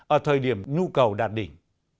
ở thời điểm nhu cầu đạt đỉnh